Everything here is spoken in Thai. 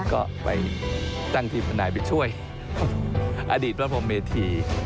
ก็ไปตั้งที่ทนายไปช่วยอดีตพระพรมเมธี